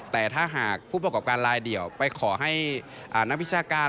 แต่ถ้าหากผู้ประกอบการลายเดี่ยวไปขอให้นักวิชาการ